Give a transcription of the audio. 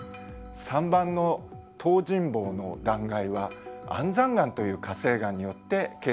３番の東尋坊の断崖は安山岩という火成岩によって形成されています。